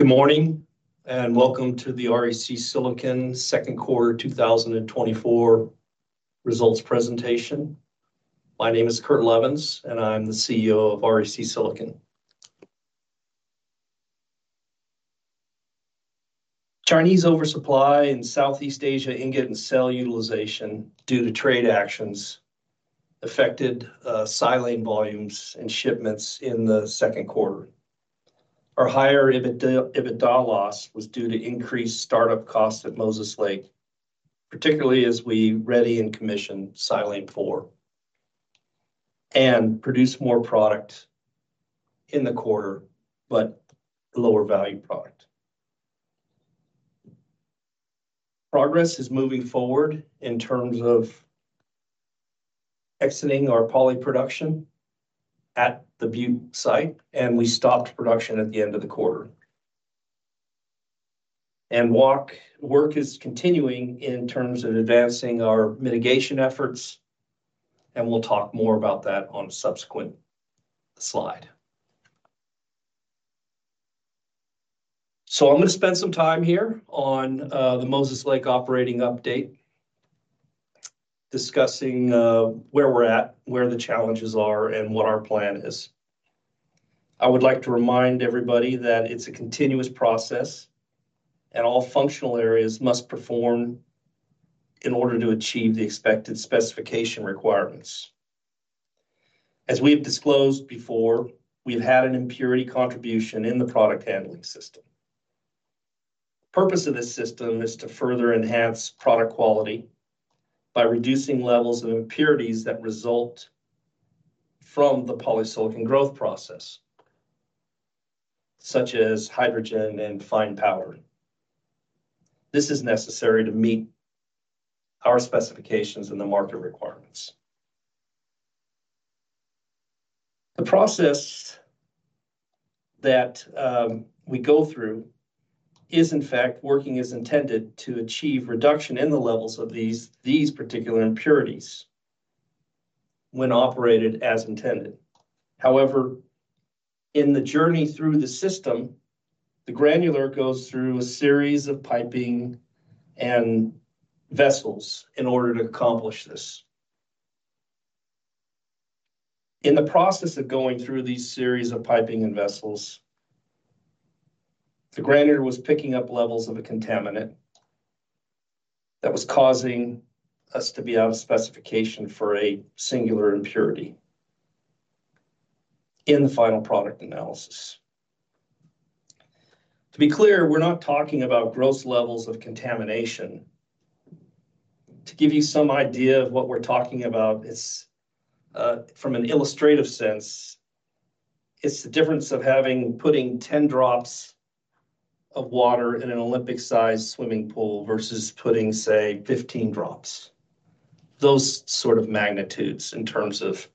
Good morning, and welcome to the REC Silicon Second Quarter 2024 results presentation. My name is Kurt Levens, and I'm the CEO of REC Silicon. Chinese oversupply in Southeast Asia ingot and cell utilization due to trade actions affected silane volumes and shipments in the second quarter. Our higher EBITDA, EBITDA loss was due to increased startup costs at Moses Lake, particularly as we ready and commission Silane IV, and produce more product in the quarter, but lower value product. Progress is moving forward in terms of exiting our poly production at the Butte site, and we stopped production at the end of the quarter. Work is continuing in terms of advancing our mitigation efforts, and we'll talk more about that on a subsequent slide. So I'm gonna spend some time here on the Moses Lake operating update, discussing where we're at, where the challenges are, and what our plan is. I would like to remind everybody that it's a continuous process, and all functional areas must perform in order to achieve the expected specification requirements. As we've disclosed before, we've had an impurity contribution in the product handling system. The purpose of this system is to further enhance product quality by reducing levels of impurities that result from the polysilicon growth process, such as hydrogen and fine powder. This is necessary to meet our specifications and the market requirements. The process that we go through is in fact working as intended to achieve reduction in the levels of these, these particular impurities when operated as intended. However, in the journey through the system, the granular goes through a series of piping and vessels in order to accomplish this. In the process of going through these series of piping and vessels, the granular was picking up levels of a contaminant that was causing us to be out of specification for a singular impurity in the final product analysis. To be clear, we're not talking about gross levels of contamination. To give you some idea of what we're talking about, it's from an illustrative sense, it's the difference of having putting 10 drops of water in an Olympic-sized swimming pool versus putting, say, 15 drops. Those sort of magnitudes in terms of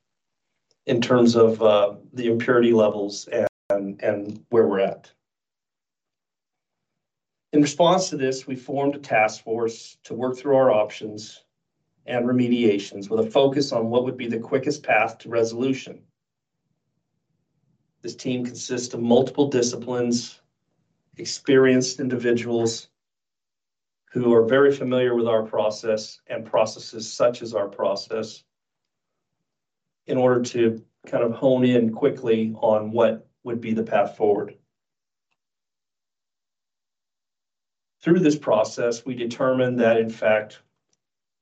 the impurity levels and where we're at. In response to this, we formed a task force to work through our options and remediations with a focus on what would be the quickest path to resolution. This team consists of multiple disciplines, experienced individuals, who are very familiar with our process, and processes such as our process, in order to kind of hone in quickly on what would be the path forward. Through this process, we determined that, in fact,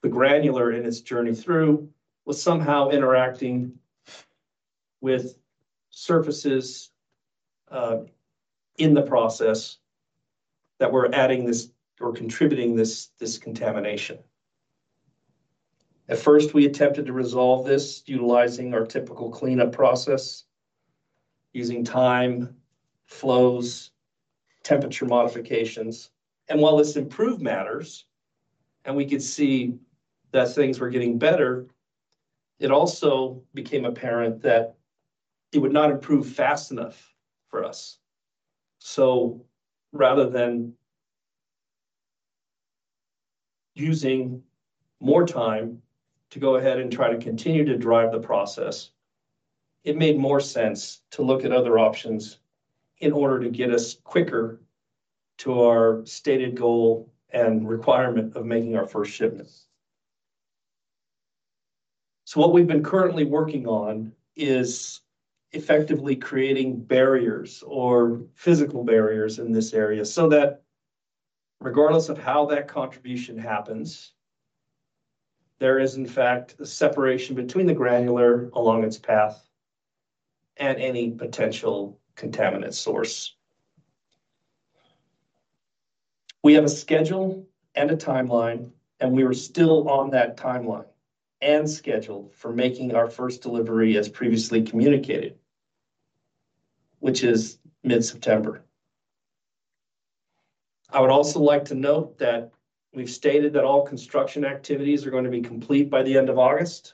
the granular in its journey through was somehow interacting with surfaces, in the process, that were adding this or contributing this, this contamination. At first, we attempted to resolve this, utilizing our typical cleanup process, using time, flows, temperature modifications, and while this improved matters, and we could see that things were getting better, it also became apparent that it would not improve fast enough for us. So rather than using more time to go ahead and try to continue to drive the process, it made more sense to look at other options in order to get us quicker to our stated goal and requirement of making our first shipment. So what we've been currently working on is effectively creating barriers or physical barriers in this area, so that regardless of how that contribution happens, there is in fact a separation between the granular along its path and any potential contaminant source. We have a schedule and a timeline, and we are still on that timeline and schedule for making our first delivery as previously communicated, which is mid-September. I would also like to note that we've stated that all construction activities are going to be complete by the end of August,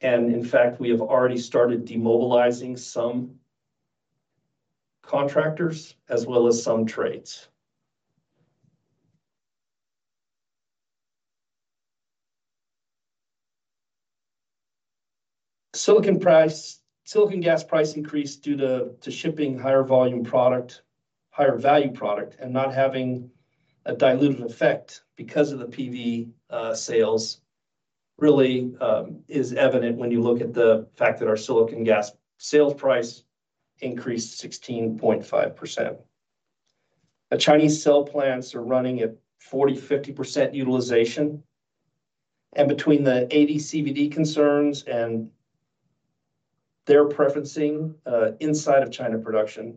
and in fact, we have already started demobilizing some contractors as well as some trades... Silicon price, silicon gas price increase due to shipping higher volume product, higher value product, and not having a dilutive effect because of the PV sales, really, is evident when you look at the fact that our silicon gas sales price increased 16.5%. The Chinese cell plants are running at 40%-50% utilization, and between the AD/CVD concerns and their preferencing inside of China production,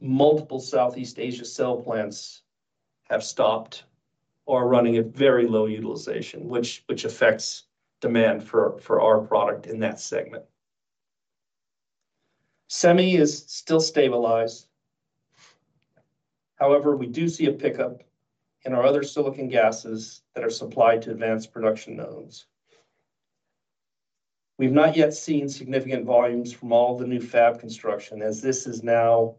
multiple Southeast Asia cell plants have stopped or are running at very low utilization, which affects demand for our product in that segment. Semi is still stabilized. However, we do see a pickup in our other silicon gases that are supplied to advanced production nodes. We've not yet seen significant volumes from all the new fab construction, as this is now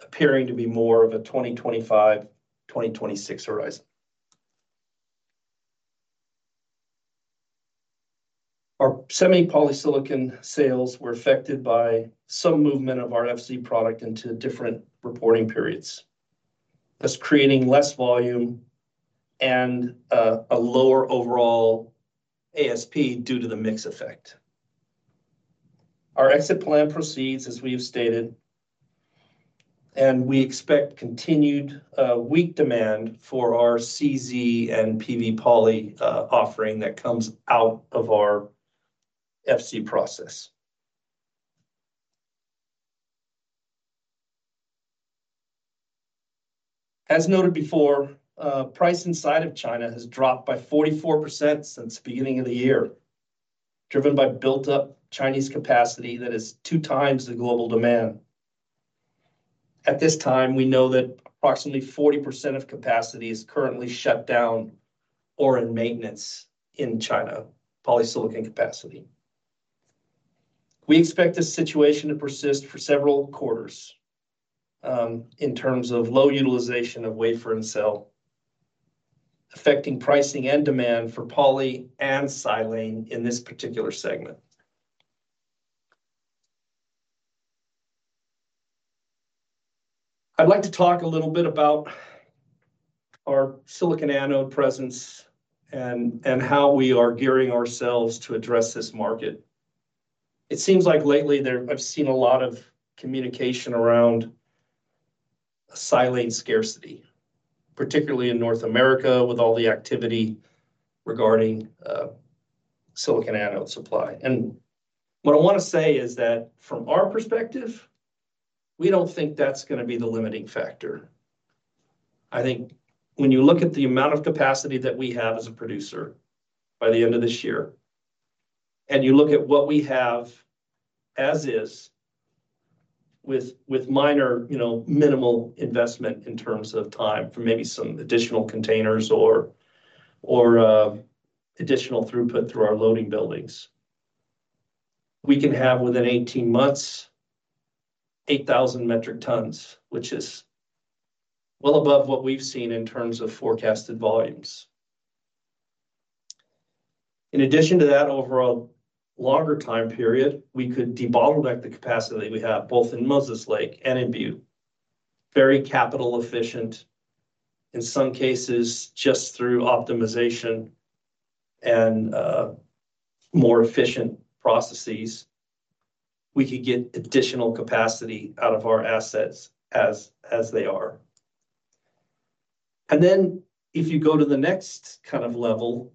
appearing to be more of a 2025/2026 horizon. Our Semi-polysilicon sales were affected by some movement of our FZ product into different reporting periods, thus creating less volume and a lower overall ASP due to the mix effect. Our exit plan proceeds as we have stated, and we expect continued weak demand for our CZ and PV poly offering that comes out of our FZ process. As noted before, price inside of China has dropped by 44% since the beginning of the year, driven by built-up Chinese capacity that is 2 times the global demand. At this time, we know that approximately 40% of capacity is currently shut down or in maintenance in China, polysilicon capacity. We expect this situation to persist for several quarters in terms of low utilization of wafer and cell, affecting pricing and demand for poly and silane in this particular segment. I'd like to talk a little bit about our silicon anode presence and how we are gearing ourselves to address this market. It seems like lately I've seen a lot of communication around silane scarcity, particularly in North America, with all the activity regarding silicon anode supply. And what I wanna say is that from our perspective, we don't think that's gonna be the limiting factor. I think when you look at the amount of capacity that we have as a producer by the end of this year, and you look at what we have, as is, with minor, you know, minimal investment in terms of time for maybe some additional containers or additional throughput through our loading buildings, we can have, within 18 months, 8,000 metric tons, which is well above what we've seen in terms of forecasted volumes. In addition to that, overall longer time period, we could debottleneck the capacity that we have, both in Moses Lake and in Butte. Very capital efficient, in some cases, just through optimization and, more efficient processes, we could get additional capacity out of our assets as, as they are. And then, if you go to the next kind of level,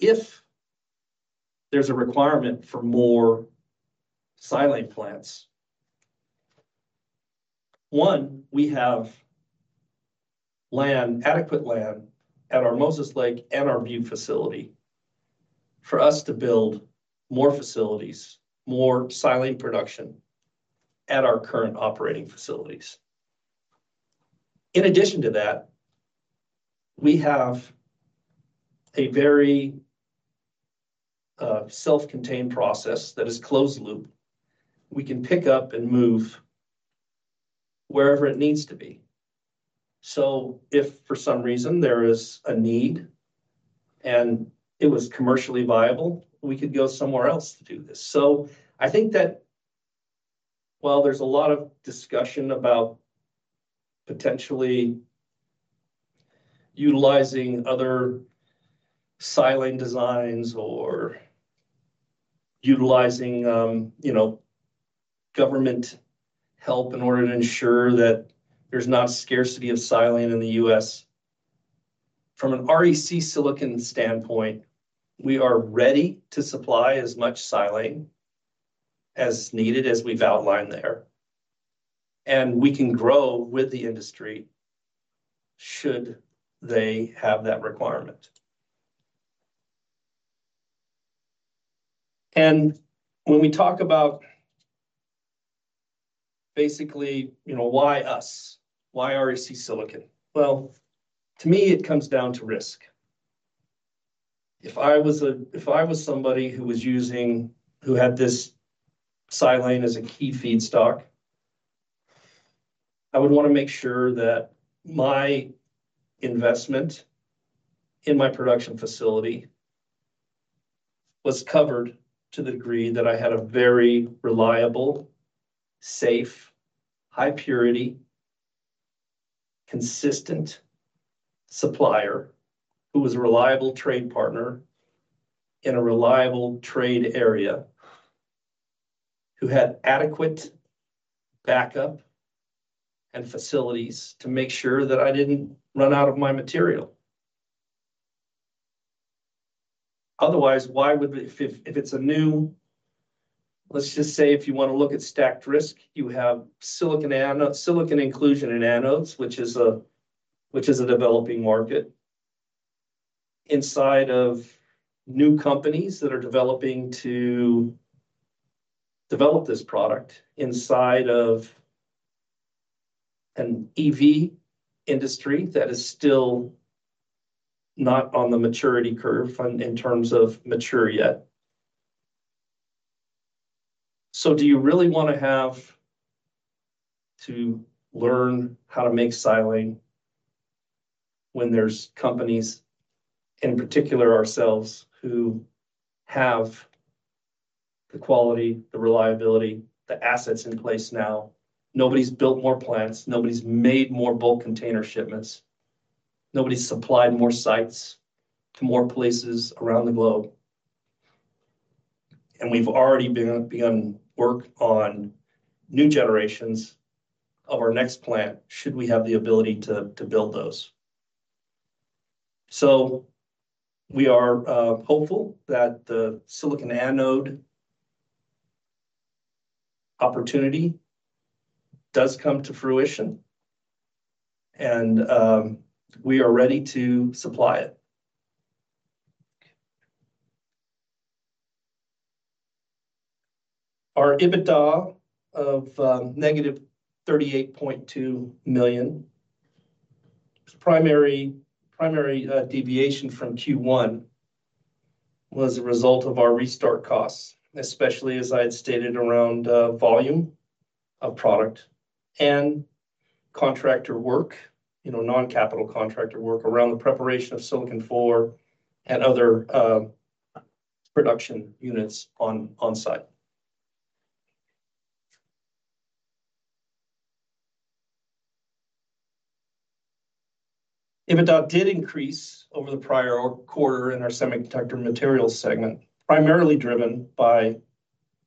if there's a requirement for more silane plants, one, we have land, adequate land at our Moses Lake and our Butte facility for us to build more facilities, more silane production at our current operating facilities. In addition to that, we have a very, self-contained process that is closed loop. We can pick up and move wherever it needs to be. So if for some reason there is a need and it was commercially viable, we could go somewhere else to do this. So I think that while there's a lot of discussion about potentially utilizing other silane designs or utilizing, you know, government help in order to ensure that there's not scarcity of silane in the U.S., from an REC Silicon standpoint, we are ready to supply as much silane as needed, as we've outlined there, and we can grow with the industry should they have that requirement. And when we talk about basically, you know, why us? Why REC Silicon? Well, to me, it comes down to risk. If I was somebody who was using, who had this silane as a key feedstock-... I would want to make sure that my investment in my production facility was covered to the degree that I had a very reliable, safe, high purity, consistent supplier, who was a reliable trade partner in a reliable trade area, who had adequate backup and facilities to make sure that I didn't run out of my material. Otherwise, why would the... Let's just say, if you want to look at stacked risk, you have silicon anode, silicon inclusion in anodes, which is a developing market inside of new companies that are developing to develop this product inside of an EV industry that is still not on the maturity curve in terms of mature yet. So do you really want to have to learn how to make silane when there's companies, in particular ourselves, who have the quality, the reliability, the assets in place now? Nobody's built more plants, nobody's made more bulk container shipments, nobody's supplied more sites to more places around the globe. We've already begun work on new generations of our next plant, should we have the ability to build those. We are hopeful that the silicon anode opportunity does come to fruition, and we are ready to supply it. Our EBITDA of -$38.2 million. Primary deviation from Q1 was a result of our restart costs, especially as I had stated, around volume of product and contractor work, you know, non-capital contractor work around the preparation of Silane Four and other production units on site. EBITDA did increase over the prior quarter in our semiconductor materials segment, primarily driven by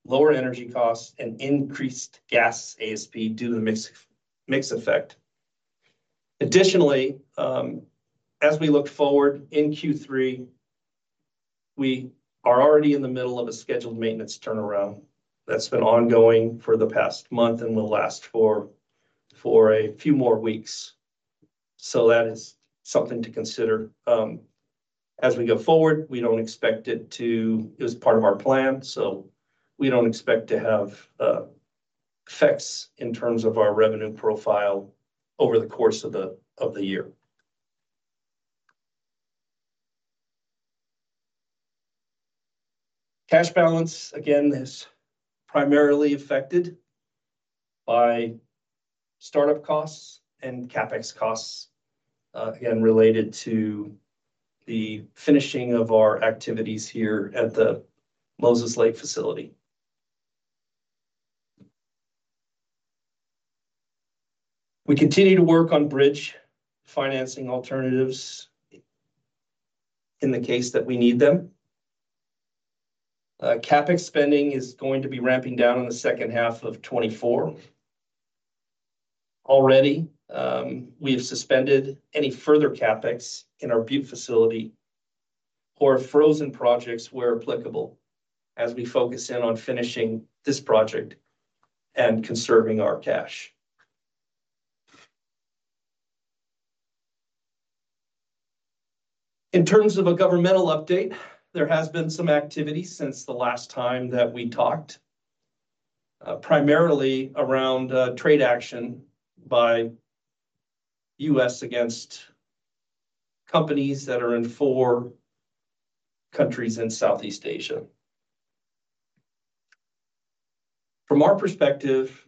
lower energy costs and increased gas ASP, due to the mix, mix effect. Additionally, as we look forward in Q3, we are already in the middle of a scheduled maintenance turnaround that's been ongoing for the past month and will last for a few more weeks. So that is something to consider. As we go forward, we don't expect it to... It was part of our plan, so we don't expect to have effects in terms of our revenue profile over the course of the year. Cash balance, again, is primarily affected by startup costs and CapEx costs, again, related to the finishing of our activities here at the Moses Lake facility. We continue to work on bridge financing alternatives in the case that we need them. CapEx spending is going to be ramping down in the second half of 2024. Already, we have suspended any further CapEx in our Butte facility or frozen projects where applicable, as we focus in on finishing this project and conserving our cash. In terms of a governmental update, there has been some activity since the last time that we talked, primarily around trade action by U.S. against companies that are in four countries in Southeast Asia. From our perspective,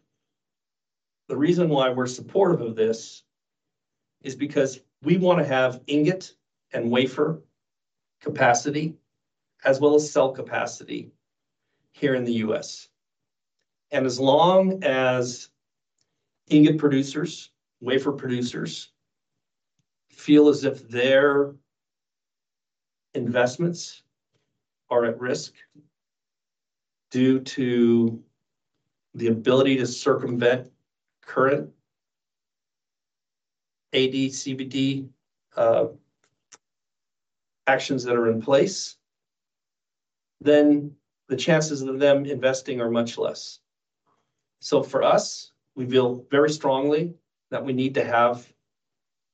the reason why we're supportive of this is because we want to have ingot and wafer capacity, as well as cell capacity here in the U.S. As long as ingot producers, wafer producers, feel as if their investments are at risk due to the ability to circumvent current AD/CVD actions that are in place, then the chances of them investing are much less. So for us, we feel very strongly that we need to have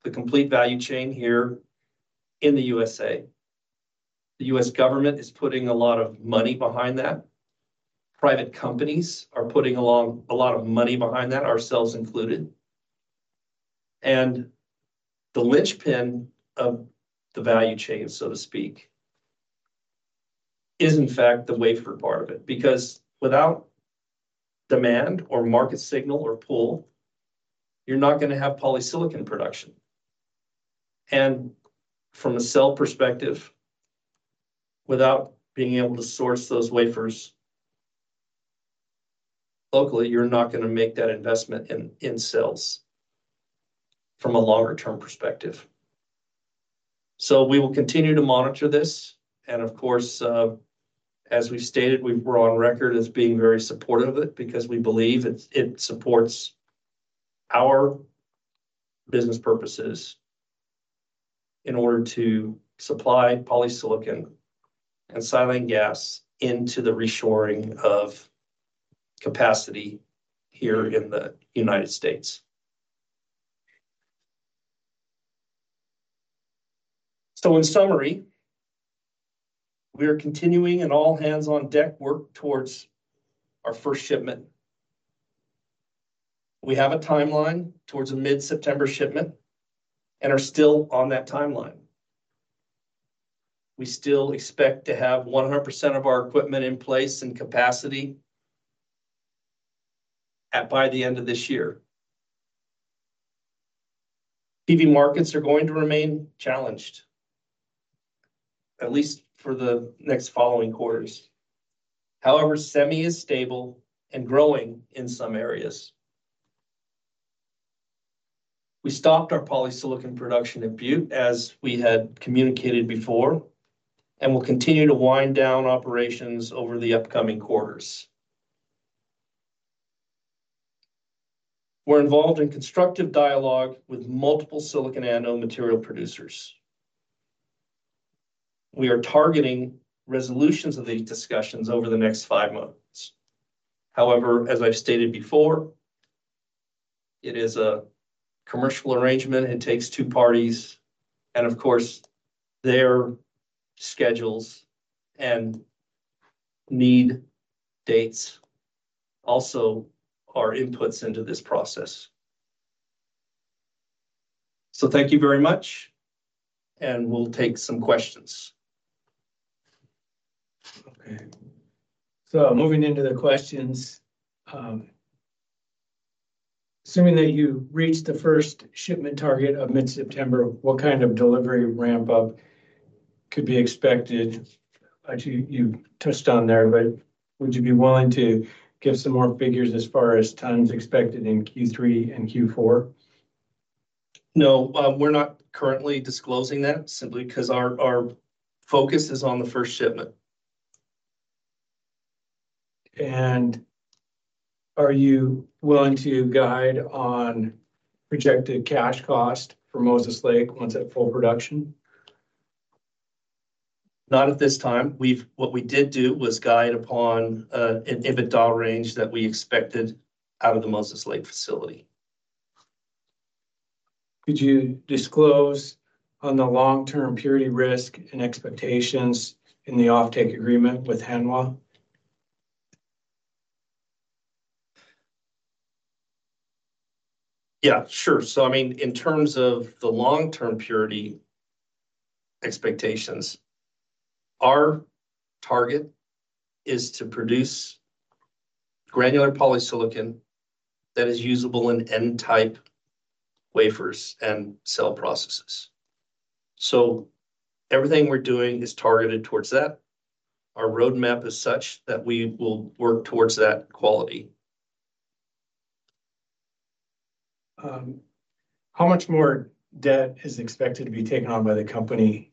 the complete value chain here in the U.S.A. The U.S. government is putting a lot of money behind that. Private companies are putting a lot of money behind that, ourselves included. And the linchpin of the value chain, so to speak,... is in fact the wafer part of it, because without demand or market signal or pull, you're not gonna have polysilicon production. And from a cell perspective, without being able to source those wafers locally, you're not gonna make that investment in cells from a longer term perspective. So we will continue to monitor this, and of course, as we've stated, we're on record as being very supportive of it, because we believe it supports our business purposes in order to supply polysilicon and silane gas into the reshoring of capacity here in the United States. So in summary, we are continuing an all-hands-on-deck work towards our first shipment. We have a timeline towards a mid-September shipment and are still on that timeline. We still expect to have 100% of our equipment in place and capacity at by the end of this year. PV markets are going to remain challenged, at least for the next following quarters. However, semi is stable and growing in some areas. We stopped our polysilicon production in Butte, as we had communicated before, and will continue to wind down operations over the upcoming quarters. We're involved in constructive dialogue with multiple silicon anode material producers. We are targeting resolutions of these discussions over the next five months. However, as I've stated before, it is a commercial arrangement. It takes two parties, and of course, their schedules and need dates also are inputs into this process. So thank you very much, and we'll take some questions. Okay, so moving into the questions, assuming that you reach the first shipment target of mid-September, what kind of delivery ramp-up could be expected? Actually, you touched on there, but would you be willing to give some more figures as far as tons expected in Q3 and Q4? No, we're not currently disclosing that, simply 'cause our focus is on the first shipment. Are you willing to guide on projected cash cost for Moses Lake once at full production? Not at this time. We've what we did do was guide upon an EBITDA range that we expected out of the Moses Lake facility. Could you disclose on the long-term purity risk and expectations in the offtake agreement with Hanwha? Yeah, sure. So I mean, in terms of the long-term purity expectations, our target is to produce granular polysilicon that is usable in N-type wafers and cell processes. So everything we're doing is targeted towards that. Our roadmap is such that we will work towards that quality. How much more debt is expected to be taken on by the company?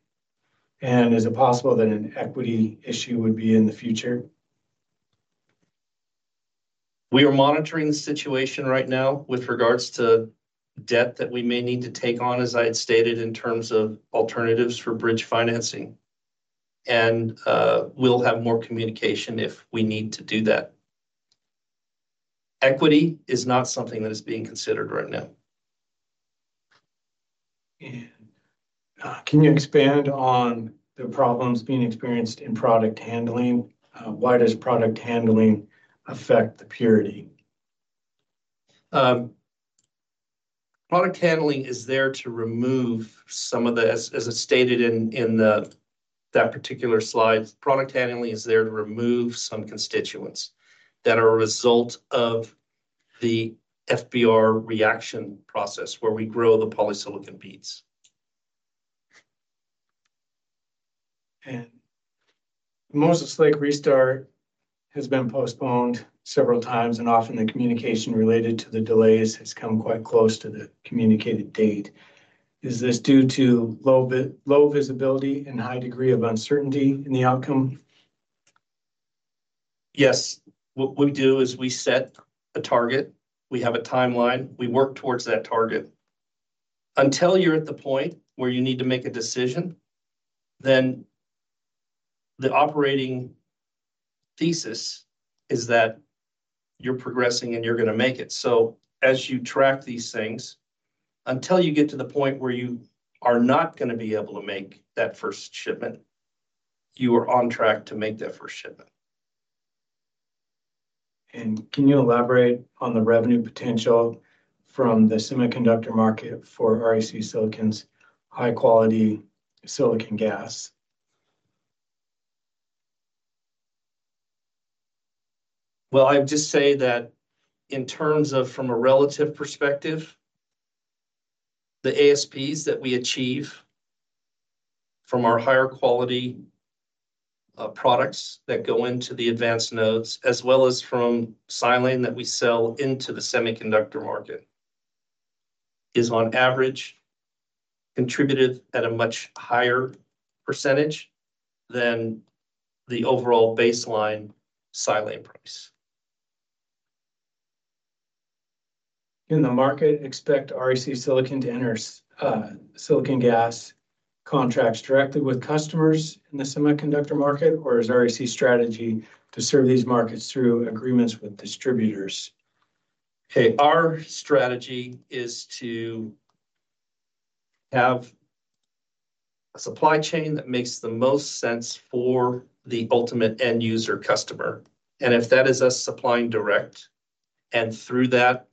Is it possible that an equity issue would be in the future? We are monitoring the situation right now with regards to debt that we may need to take on, as I had stated, in terms of alternatives for bridge financing. And, we'll have more communication if we need to do that. Equity is not something that is being considered right now. Can you expand on the problems being experienced in product handling? Why does product handling affect the purity? Product handling is there to remove some of the... As I stated in that particular slide, product handling is there to remove some constituents that are a result of the FBR reaction process, where we grow the polysilicon beads. Moses Lake restart has been postponed several times, and often the communication related to the delays has come quite close to the communicated date. Is this due to low visibility and high degree of uncertainty in the outcome? Yes. What we do is we set a target, we have a timeline, we work towards that target. Until you're at the point where you need to make a decision, then the operating thesis is that you're progressing and you're gonna make it. So as you track these things, until you get to the point where you are not gonna be able to make that first shipment, you are on track to make that first shipment. Can you elaborate on the revenue potential from the semiconductor market for REC Silicon's high-quality silicon gas? Well, I'd just say that in terms of from a relative perspective, the ASPs that we achieve from our higher quality, products that go into the advanced nodes, as well as from silane that we sell into the semiconductor market, is on average, contributed at a much higher percentage than the overall baseline silane price. Can the market expect REC Silicon to enter silicon gas contracts directly with customers in the semiconductor market, or is REC's strategy to serve these markets through agreements with distributors? Okay, our strategy is to have a supply chain that makes the most sense for the ultimate end user customer. And if that is us supplying direct, and through that,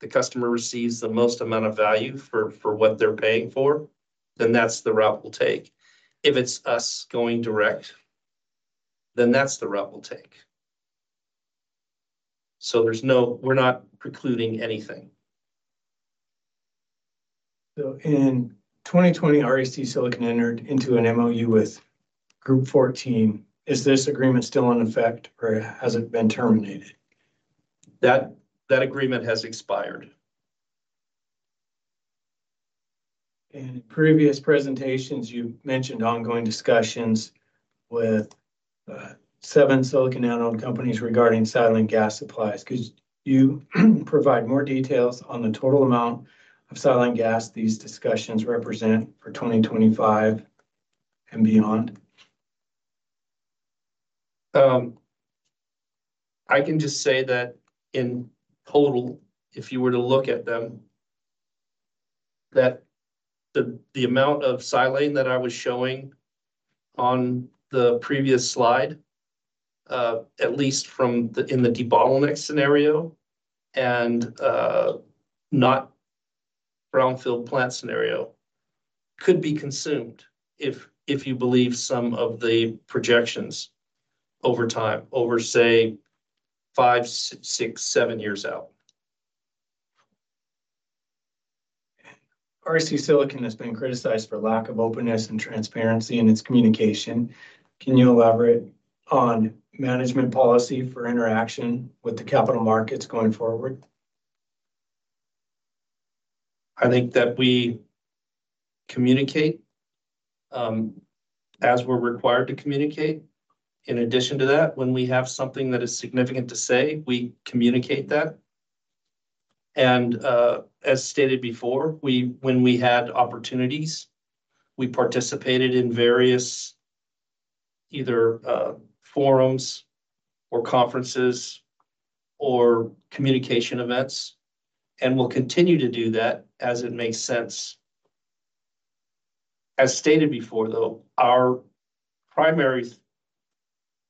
the customer receives the most amount of value for what they're paying for, then that's the route we'll take. If it's us going direct, then that's the route we'll take. So there's no, we're not precluding anything. So in 2020, REC Silicon entered into an MOU with Group14. Is this agreement still in effect, or has it been terminated? That agreement has expired. In previous presentations, you've mentioned ongoing discussions with seven silicon anode companies regarding silane gas supplies. Could you provide more details on the total amount of silane gas these discussions represent for 2025 and beyond? I can just say that in total, if you were to look at them, that the amount of silane that I was showing on the previous slide, at least in the debottleneck scenario, and not brownfield plant scenario, could be consumed, if you believe some of the projections over time, over, say, 5, 6, 7 years out. REC Silicon has been criticized for lack of openness and transparency in its communication. Can you elaborate on management policy for interaction with the capital markets going forward? I think that we communicate as we're required to communicate. In addition to that, when we have something that is significant to say, we communicate that. And, as stated before, we, when we had opportunities, we participated in various, either, forums or conferences or communication events, and we'll continue to do that as it makes sense. As stated before, though, our primary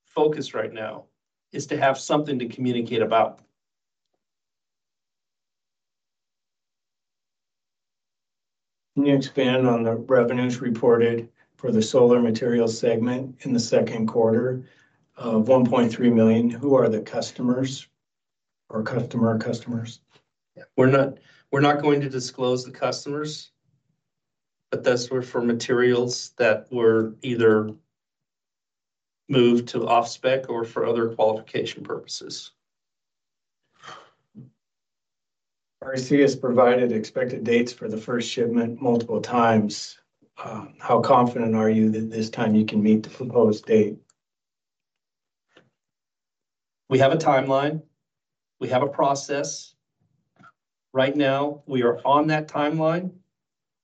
focus right now is to have something to communicate about. Can you expand on the revenues reported for the solar materials segment in the second quarter of $1.3 million? Who are the customers or customer, customers? We're not, we're not going to disclose the customers, but those were for materials that were either moved to off-spec or for other qualification purposes. REC has provided expected dates for the first shipment multiple times. How confident are you that this time you can meet the proposed date? We have a timeline. We have a process. Right now, we are on that timeline,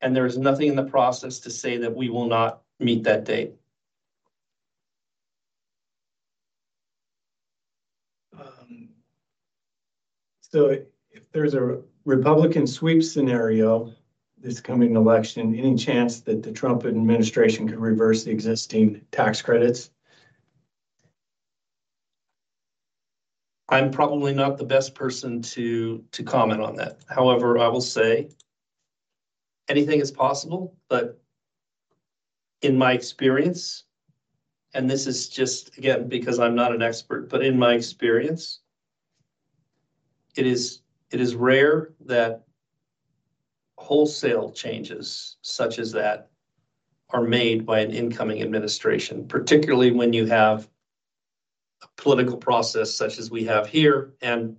and there is nothing in the process to say that we will not meet that date. If there's a Republican sweep scenario this coming election, any chance that the Trump administration could reverse the existing tax credits? I'm probably not the best person to comment on that. However, I will say anything is possible, but in my experience, and this is just, again, because I'm not an expert, but in my experience, it is rare that wholesale changes such as that are made by an incoming administration, particularly when you have a political process such as we have here, and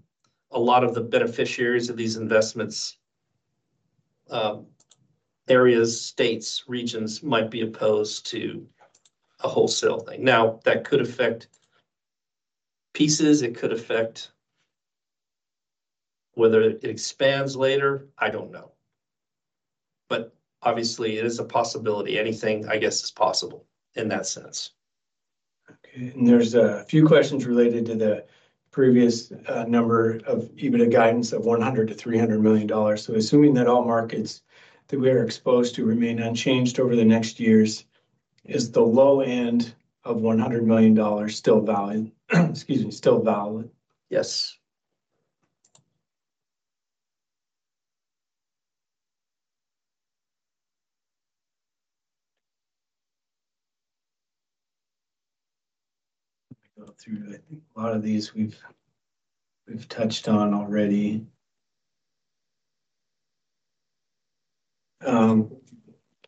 a lot of the beneficiaries of these investments, areas, states, regions, might be opposed to a wholesale thing. Now, that could affect pieces, it could affect whether it expands later, I don't know, but obviously, it is a possibility. Anything, I guess, is possible in that sense. Okay, and there's a few questions related to the previous number of EBITDA guidance of $100 million-$300 million. So assuming that all markets that we are exposed to remain unchanged over the next years... Is the low end of $100 million still valid? Excuse me, still valid? Yes. Let me go through. I think a lot of these we've touched on already.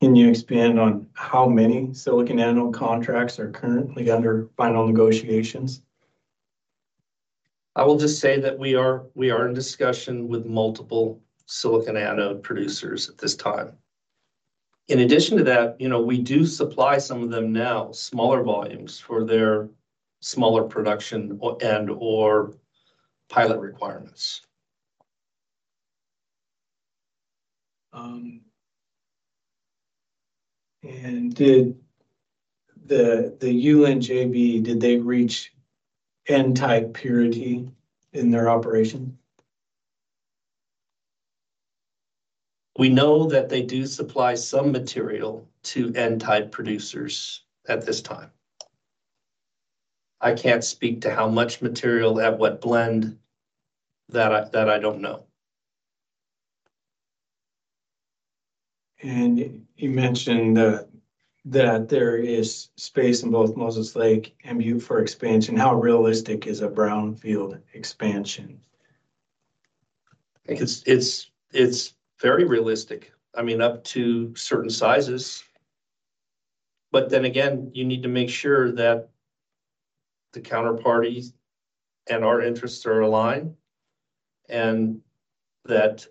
Can you expand on how many silicon anode contracts are currently under final negotiations? I will just say that we are in discussion with multiple silicon anode producers at this time. In addition to that, you know, we do supply some of them now, smaller volumes for their smaller production or, and/or pilot requirements. Did the Yulin JV did they reach N-type purity in their operation? We know that they do supply some material to N-type producers at this time. I can't speak to how much material at what blend. That I don't know. You mentioned that there is space in both Moses Lake and Butte for expansion. How realistic is a brownfield expansion? It's very realistic. I mean, up to certain sizes. But then again, you need to make sure that the counterparties and our interests are aligned, and that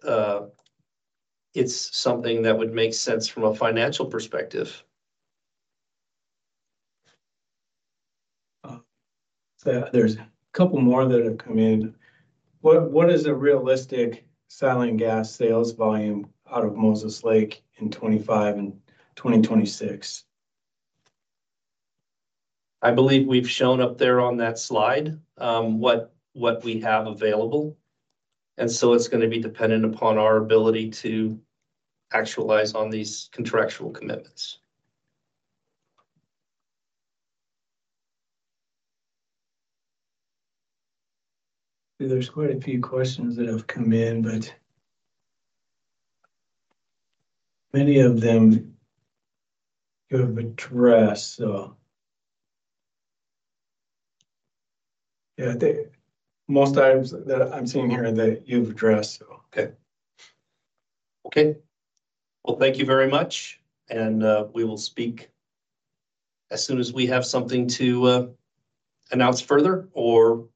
it's something that would make sense from a financial perspective. So there's a couple more that have come in. What is a realistic silane gas sales volume out of Moses Lake in 2025 and 2026? I believe we've shown up there on that slide, what we have available, and so it's gonna be dependent upon our ability to actualize on these contractual commitments. There's quite a few questions that have come in, but many of them you have addressed, so... Yeah, most items that I'm seeing here, that you've addressed, so okay. Okay. Well, thank you very much, and we will speak as soon as we have something to announce further or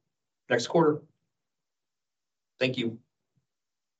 next quarter. Thank you.